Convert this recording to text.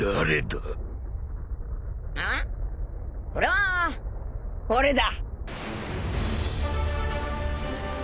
俺は俺だ。